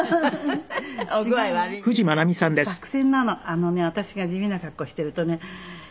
あのね私が地味な格好をしているとね